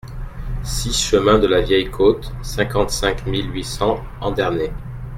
six chemin de la Vieille Côte, cinquante-cinq mille huit cents Andernay